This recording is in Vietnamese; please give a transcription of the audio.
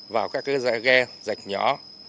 vào các ghe dạch nhỏ